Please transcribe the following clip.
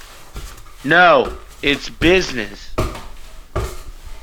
No, it's business.